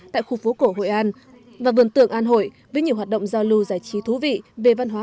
tại khu phố cổ hội an và vườn tượng an hội với nhiều hoạt động giao lưu giải trí thú vị về văn hóa